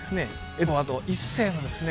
エドワード１世のですね